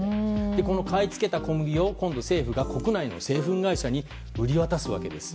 この買い付けた小麦を今度は政府が国内の製粉会社に売り渡すわけです。